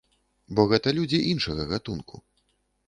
Бо гэта людзі іншага гатунку.